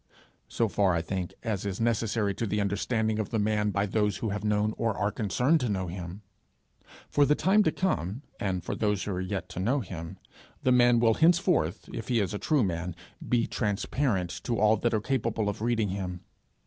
So far, I think, as is necessary to the understanding of the man by those who have known, or are concerned to know him. For the time to come, and for those who are yet to know him, the man will henceforth, if he is a true man, be transparent to all that are capable of reading him.